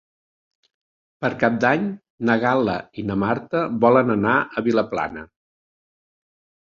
Per Cap d'Any na Gal·la i na Marta volen anar a Vilaplana.